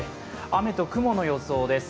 雨と雲の予想です。